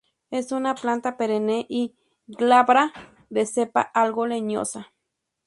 Es una planta perenne y glabra de cepa algo leñosa.